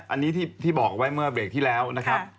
อันนี้ที่บอกไว้เมื่อเบรกที่แล้วนะครับ